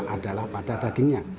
adalah pada dagingnya